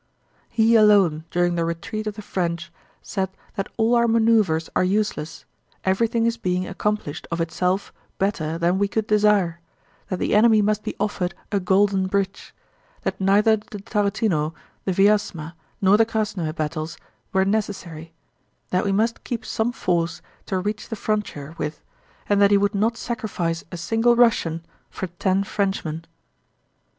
He alone during the retreat of the French said that all our maneuvers are useless, everything is being accomplished of itself better than we could desire; that the enemy must be offered "a golden bridge"; that neither the Tarútino, the Vyázma, nor the Krásnoe battles were necessary; that we must keep some force to reach the frontier with, and that he would not sacrifice a single Russian for ten Frenchmen.